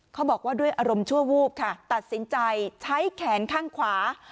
เขาบอกว่าด้วยอารมณ์ชั่ววูบค่ะตัดสินใจใช้แขนข้างขวา